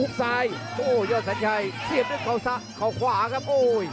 กระโดยสิ้งเล็กนี่ออกกันขาสันเหมือนกันครับ